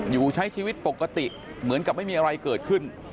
อยู่ใช้ชีวิตปกติเหมือนกับไม่มีอะไรเกิดขึ้น